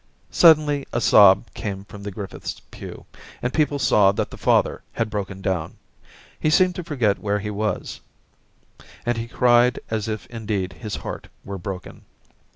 Suddenly a sob came from the Griffiths' pew, and people saw that the father had broken down; he seemed to forget where he was. Daisy 235 and he cried as if indeed his heart were broken.